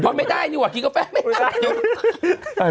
พอไม่ได้นี่กว่ากินกาแฟไม่ได้